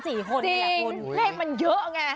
จริงเลขมันเยอะไง